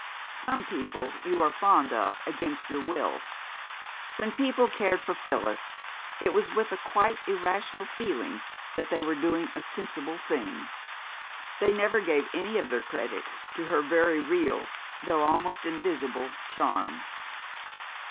Some people you are fond of against your will. When people cared for Phyllis it was with a quite irrational feeling that they were doing a sensible thing. They never gave any of the credit to her very real, though almost invisible, charm.